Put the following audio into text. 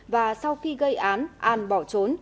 và sau khi gây án an bỏ trốn